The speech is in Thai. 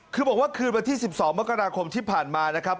คือบอกว่าคืนวันที่๑๒มกราคมที่ผ่านมานะครับ